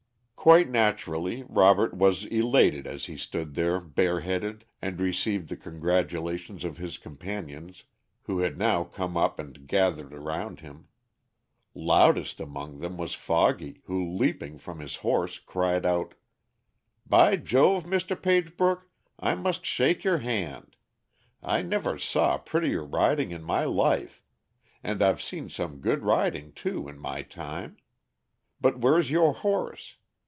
_ Quite naturally Robert was elated as he stood there bare headed, and received the congratulations of his companions, who had now come up and gathered around him. Loudest among them was Foggy, who leaping from his horse cried out: "By Jove, Mr. Pagebrook, I must shake your hand. I never saw prettier riding in my life, and I've seen some good riding too in my time. But where's your horse?